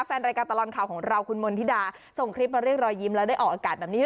แฟนรายการตลอดข่าวของเราคุณมณฑิดาส่งคลิปมาเรียกรอยยิ้มแล้วได้ออกอากาศแบบนี้